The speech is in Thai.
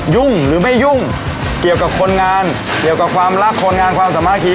หรือไม่ยุ่งเกี่ยวกับคนงานเกี่ยวกับความรักคนงานความสามารถที